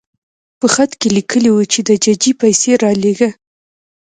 په خط کې لیکلي وو چې د ججې پیسې رالېږه.